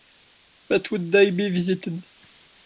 But would they be visited?